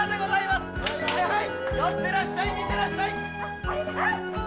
寄ってらっしゃい見てらっしゃい。